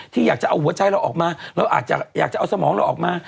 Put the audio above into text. ที่อยากจะเอาหัวใจเราออกมาเราอาจจะอยากจะเอาสมองเราออกมา